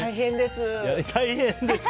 大変です！